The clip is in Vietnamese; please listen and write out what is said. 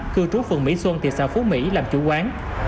cư trú phường mỹ xuân thị xã phú mỹ làm chủ quán